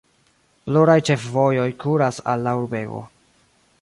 Pluraj ĉefvojoj kuras al la urbego.